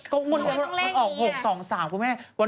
ก็หมดเพราะวันออก๖๒๓คุณแม่